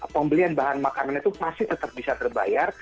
pembelian bahan makanan itu masih tetap bisa terbayar